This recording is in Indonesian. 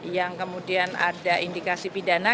yang kemudian ada indikasi pidana